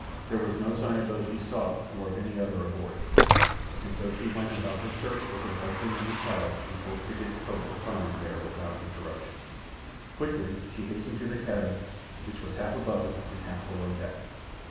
There was no sign of those she sought nor of any other aboard, and so she went about her search for her husband and the child she hoped against hope to find there without interruption. Quickly she hastened to the cabin, which was half above and half below deck.